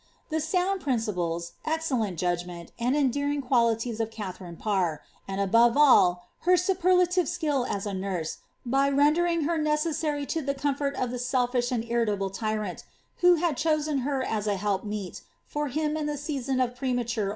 The sound principles, excellent judgment, and endearing qualities of Katharine Parr, and, above all, her superlative skill as a nurse, bv ren dering her necessary to the comfort of the selfish and irritable tvraiil vbo had chosen her as a help meet for him in the season of prematuie oU 'Cliionoi*H^iral Oiuiiu^ue <»!'